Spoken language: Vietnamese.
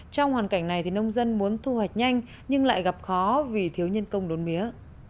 trong hoàn cảnh này nông dân muốn thu hoạch nhanh nhưng lại gặp khó vì thiếu nhân công đốn mía